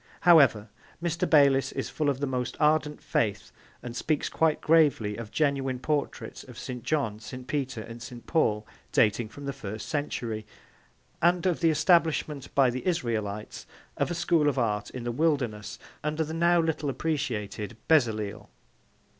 However, Mr. Bayliss is full of the most ardent faith and speaks quite gravely of genuine portraits of St. John, St. Peter and St. Paul dating from the first century, and of the establishment by the Israelites of a school of art in the wilderness under the now little appreciated Bezaleel.